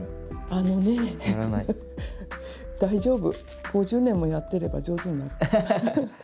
あのね大丈夫５０年もやってれば上手になる。